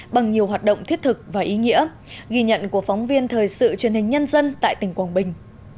bằng nhiều hoạt động thiết thực và ý nghĩa ghi nhận của phóng viên thời sự truyền hình nhân dân tại tỉnh quảng bình